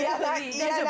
大丈夫？